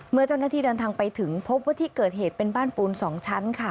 เมื่อเจ้าหน้าที่เดินทางไปถึงพบว่าที่เกิดเหตุเป็นบ้านปูน๒ชั้นค่ะ